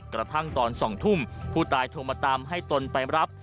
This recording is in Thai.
กระทั่งตอน๒ทุ่มผู้ตายโทรมาตามให้ตนไปรับ